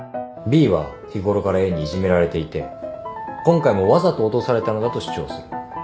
Ｂは日頃からＡにいじめられていて今回もわざと落とされたのだと主張する。